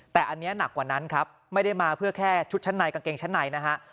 แต่อันนี้หนักกว่านั้นครับไม่ได้มาเพื่อแค่ชุดชั้นในกางเกงชั้นในนะฮะ